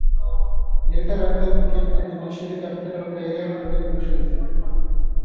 Later, Uccle became the judiciary capital of the area including Brussels.